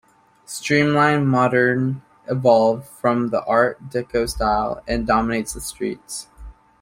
Streamline Moderne evolved from the Art Deco style, and dominates the street.